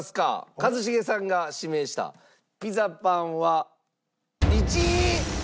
一茂さんが指名したピザパンは１位。